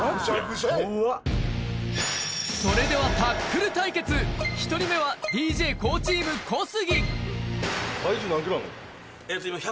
それではタックル対決、１人目はＤＪＫＯＯチーム・小杉。